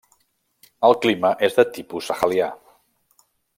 El clima és de tipus sahelià.